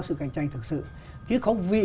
sự cạnh tranh thực sự chứ không vì